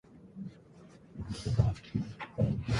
秋田県八郎潟町